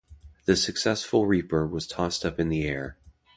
The successful reaper was tossed up in the air.